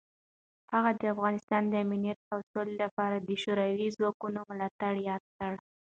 هغه د افغانستان د امنیت او سولې لپاره د شوروي ځواکونو ملاتړ یاد کړ.